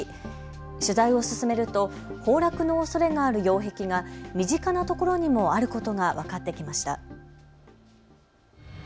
取材を進めると崩落のおそれがある擁壁が身近なところにもあることが分かってきました。